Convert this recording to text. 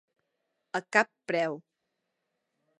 A cap preu.